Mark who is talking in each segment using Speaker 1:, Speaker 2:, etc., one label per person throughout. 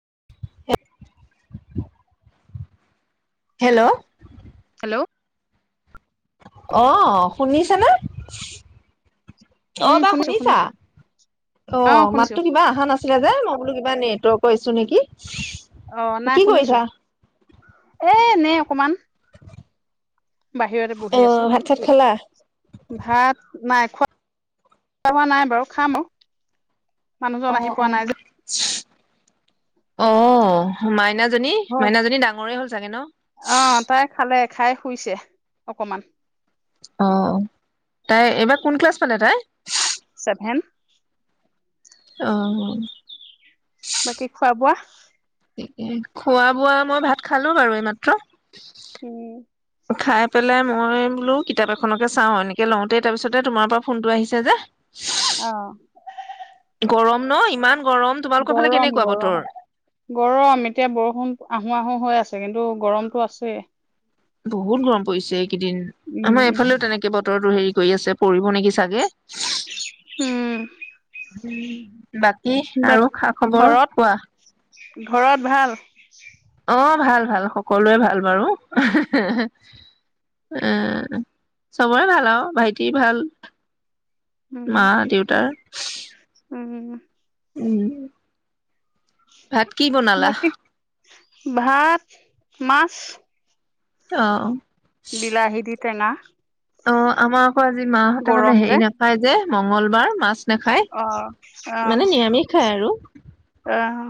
Speaker 1: [unintelligible] Hello
Speaker 2: hello
Speaker 1: অ শুনিছো অ
Speaker 2: উম
Speaker 1: বা
Speaker 2: শুনিছো
Speaker 1: শুনিছা
Speaker 2: শুনিছো
Speaker 1: অ মাততো কিবা আহা নাছিল ছিলা যে মই বো কিবা নেটৱৰ্কৰ কৰিছো নেকি
Speaker 2: অ নাই
Speaker 1: কি
Speaker 2: শুনিছো
Speaker 1: কৰিছা
Speaker 2: এ ন অকমান বাহিৰতে
Speaker 1: অ
Speaker 2: বহি আছো
Speaker 1: ভাত চাত খালা
Speaker 2: ভাত নাই হোৱা নাই বাৰু খাম আৰু মানুহজন
Speaker 1: অ
Speaker 2: আহি পোৱা
Speaker 1: অ
Speaker 2: নাই যে
Speaker 1: অ মাইনাজনী
Speaker 2: হ'ল
Speaker 1: মাইনাজনী ডাঙৰেই হ'ল চাগে ন
Speaker 2: অ তাই খালে খাই শুইছে অকমান
Speaker 1: অ তাই এইবাৰ কোন ক্লাছ পালে তাই
Speaker 2: ছেভেন
Speaker 1: আহ
Speaker 2: বাকী খোৱা বোৱা
Speaker 1: খোৱা বোৱা মই ভাত খালো বাৰু এইমাত্ৰ
Speaker 2: উম
Speaker 1: খাই পেলাই মই বোলো কিতাপ এখনকে চাও এনেকে লওঁতেই তাৰ পিছতে তোমাৰ পৰা ফোন টো আহিছে যে
Speaker 2: অ
Speaker 1: গৰম ন ইমান গৰম তোমালোকৰ ফালে কেনেকুৱা
Speaker 2: গৰম-গৰম।
Speaker 1: বতৰ
Speaker 2: গৰম, এতিয়া বৰষুণ আহ হোৱাহো হৈ আছে কিন্তু গৰমটো আছেই
Speaker 1: বহুত গৰম পৰিছে এই কেইদিন। আমাৰ
Speaker 2: উম
Speaker 1: এইফালেও তেনেকে বত তৰটো হেৰি কৰি আছে, পৰি নেকি চাগে
Speaker 2: উম
Speaker 1: উম, বাকী
Speaker 2: বা
Speaker 1: আৰু খা-খবৰ
Speaker 2: ঘৰত
Speaker 1: কোৱা।
Speaker 2: ঘৰত ভাল?
Speaker 1: অ' ভাল-ভাল, সকলোৰে ভাল বাৰু। এ, চবৰে ভাল আৰু ভাইটিৰ ভাল
Speaker 2: উম
Speaker 1: মা, দেউতাৰ
Speaker 2: [inaudible]
Speaker 1: উম! ভাত কি বনালা?
Speaker 2: বাকী ভাত, মাছ
Speaker 1: অহ
Speaker 2: বিলাহি দি টেঙা
Speaker 1: অ' আমাৰ আজি মাহঁতে মানে
Speaker 2: গৰম যে
Speaker 1: হেৰি নাপায় যে মংগলবাৰ মাছ নাখায়
Speaker 2: অ আহ
Speaker 1: মানে নিৰামিষ খায় আৰু
Speaker 2: আহ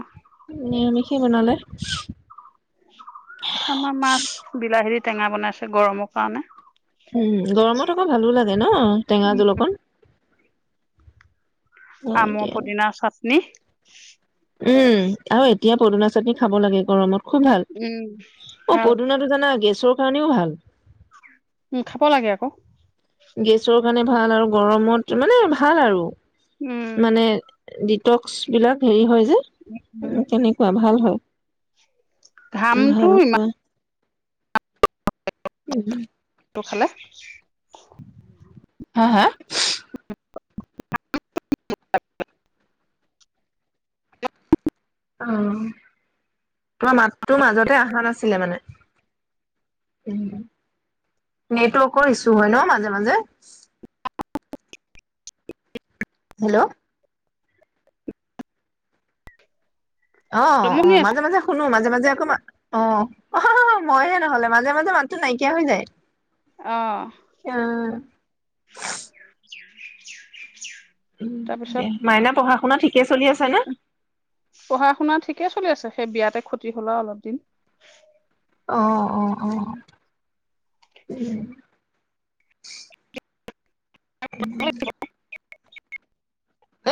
Speaker 1: নিৰামিষ কি বনালে?
Speaker 2: আমাৰ মাছ বিলাহীত টেঙা বনাইছে গৰমৰ কাৰণে
Speaker 1: উম, গৰমত আকৌ ভালো লাগে। ন টেঙা
Speaker 2: উম
Speaker 1: জোল অকণ হয় দিয়া
Speaker 2: আমৰ পদিনাৰ চাটনি নে
Speaker 1: উম হয় এতিয়া পদিনাৰ চাটনি খাব লাগে গৰমত খুব ভাল।
Speaker 2: উম
Speaker 1: অ
Speaker 2: ভাল
Speaker 1: পদুনাটো জানা গেছ চোৰ কাৰণেও ভাল
Speaker 2: উম খাব লাগে আকৌ
Speaker 1: গেছৰ কাৰণে ভাল আৰু গৰমত মানে ভাল আৰু
Speaker 2: উম
Speaker 1: মানে, ডিটক্স বিলাক হেৰি
Speaker 2: উম
Speaker 1: হয় তেনেকুৱা ভাল হয়
Speaker 2: ঘামটো ইমানটো
Speaker 1: ভালকোৱা উম হুম
Speaker 2: তটো খালে
Speaker 1: হা হা অ তোমাৰ মাতটো মাজতে অহা নাছিলে মানে উ নেটৱৰ্কৰ ইছু হয় ন মাজে মাজে হেল্ল' অ অ
Speaker 2: জমনি আছে
Speaker 1: মাজে মাজে শুনো মাজে মাজে তোমা অ মইহে নহলে মাজে মাজে মাতটো নাইকিয়া হৈ যায়।
Speaker 2: অ
Speaker 1: আহ
Speaker 2: [inaudible]
Speaker 1: উম দে
Speaker 2: তাৰপিছত
Speaker 1: মাইনা পঢ়া শুনা থিক।
Speaker 2: পঢ়া শুনা ঠিকে চলি আছে। সেই বিয়াতে ক্ষতি হ'ল অলপ দিন
Speaker 1: আহ অ অ উম [inaudible] উ উ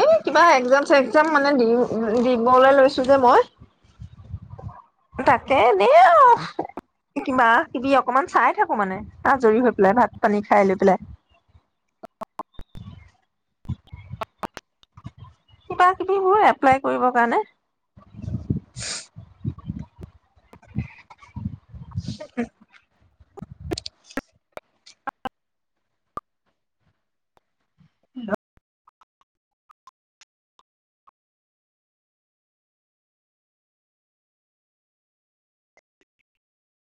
Speaker 1: এই কিবা একজাম চেগ্জাম মানে দি দিবলৈ লৈছো যে মই তাকে এনে কিবা কিবি অকমান চাই থাকো মানে আজৰি হৈ পেলাই ভাত পানী খাই লৈ পেলাই কিবা কিবি বোৰ এপ্লাই কৰিব কাৰণে হে হেল্ল'
Speaker 2: [inaudible]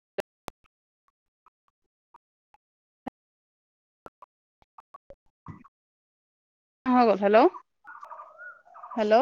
Speaker 2: হৈ গ'ল হেল্ল' হেল্ল'?